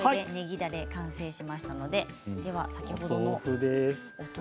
ねぎだれ完成しましたので先ほどの。